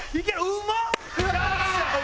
うまっ！